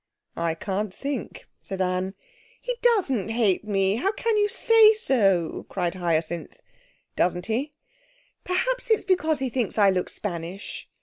'I can't think,' said Anne. 'He doesn't hate me! How can you say so?' cried Hyacinth. 'Doesn't he?' 'Perhaps it's because he thinks I look Spanish.